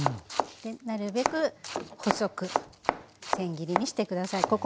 なるべく細くせん切りにして下さい。